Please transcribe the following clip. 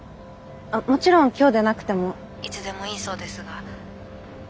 あっもちろん今日でなくてもいつでもいいそうですが。